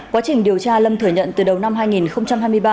quá trình điều tra lâm thừa nhận từ đầu năm hai nghìn hai mươi ba